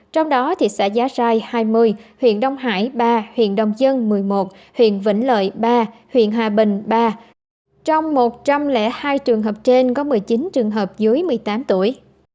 trong đó thị xã giá sai hai mươi huyện đông hải ba huyện đông dân một mươi một huyện vĩnh lợi ba huyện hà bình ba trong một trăm linh hai trường hợp trên có một mươi chín trường hợp dưới một mươi tám tuổi